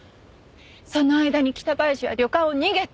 その間に北林は旅館を逃げた。